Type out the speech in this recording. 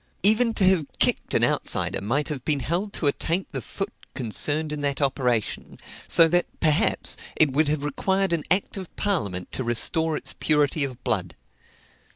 Even to have kicked an outsider might have been held to attaint the foot concerned in that operation; so that, perhaps, it would have required an act of parliament to restore its purity of blood.